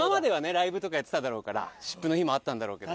ライブとかやってただろうから湿布の日もあったんだろうけど。